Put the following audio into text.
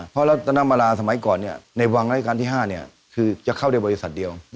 เพราะรัฐนมาราสมัยก่อนในวังราชการที่๕คือจะเข้าได้บริษัทเดียว